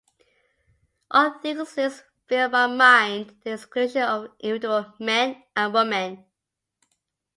All these things filled my mind to the exclusion of individual men and women.